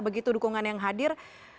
begitu dukungan yang hadir